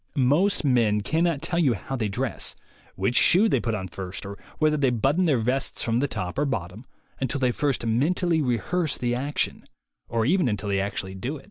Most men cannot tell you how they dress, which shoe they put on first, or whether they button their vests from the top or bottom, until they first mentally rehearse the action or even until they actually do it.